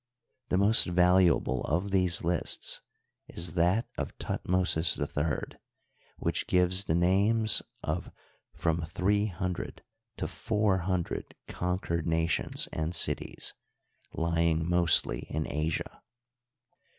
The most valuable of these lists is that of Thutmosis III, which gives the names of from three hundred to four hunjdred conquered nations and cities, lying mostly in Asia.